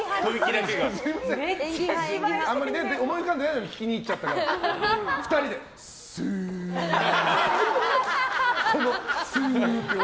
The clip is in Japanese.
あまり思い浮かんでないのに聞きに行っちゃったから２人で、すーって。